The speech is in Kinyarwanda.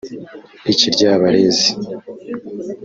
‘Ikiryabarezi’